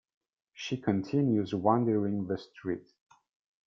She continues wandering the street.